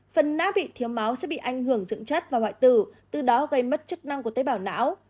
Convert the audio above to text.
phần nát bị thiếu máu sẽ bị ảnh hưởng dưỡng chất và hoại tử từ đó gây mất chức năng của tế bảo não